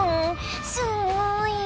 すごい。